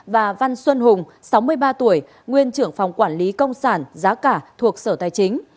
và văn xuân hùng sáu mươi ba tuổi nguyên trưởng phòng quản lý công sản giá cả thuộc sở tài chính